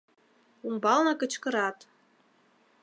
Умбалне кычкырат: